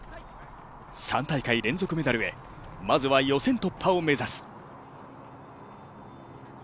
３大会連続メダルへまずは予選突破を目指す。